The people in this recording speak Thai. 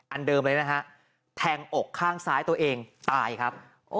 อันเดิมเลยนะฮะแทงอกข้างซ้ายตัวเองตายครับ